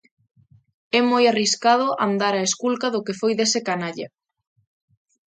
É moi arriscado andar á esculca do que foi dese canalla.